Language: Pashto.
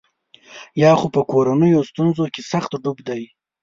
یا خو په کورنیو ستونزو کې سخت ډوب دی.